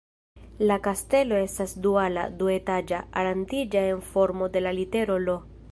La kastelo estas duala, duetaĝa, aranĝita en formo de la litero "L".